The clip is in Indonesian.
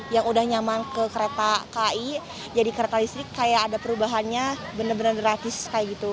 yang udah nyaman ke kereta ki jadi kereta listrik kayak ada perubahannya bener bener gratis kayak gitu